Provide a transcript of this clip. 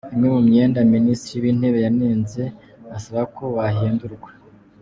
Imwe mu myenda Minisitiri w’Intebe yanenze asaba ko wahindurwa.